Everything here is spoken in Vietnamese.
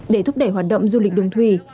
để thúc đẩy hoạt động du lịch đường thủy